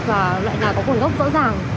và loại nào có nguồn gốc rõ ràng